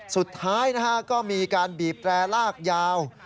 สุดท้ายนะฮะก็มีการบีบแร่ลากยาว